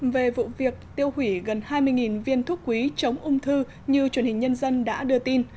về vụ việc tiêu hủy gần hai mươi viên thuốc quý chống ung thư như truyền hình nhân dân đã đưa tin